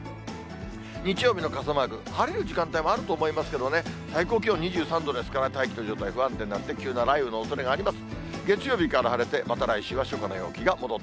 日曜日の傘マーク、晴れる時間帯もあると思いますけどね、最高気温２３度ですから、大気の状態不安定になって、急な雷雨のおそれがあります。